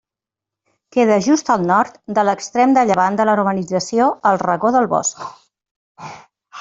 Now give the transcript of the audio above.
Queda just al nord de l'extrem de llevant de la urbanització el Racó del Bosc.